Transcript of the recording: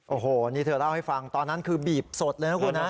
โอ้โหนี่เธอเล่าให้ฟังตอนนั้นคือบีบสดเลยนะคุณนะ